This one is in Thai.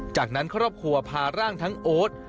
จากนั้นภาคพลังทั้งโอ๊ช